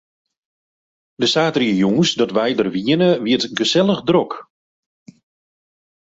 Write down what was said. De saterdeitejûns dat wy der wiene, wie it gesellich drok.